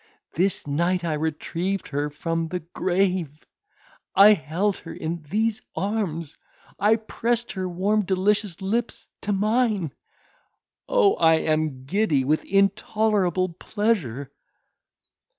This night I retrieved her from the grave. I held her in these arms; I pressed her warm delicious lips to mine! Oh, I am giddy with intolerable pleasure!"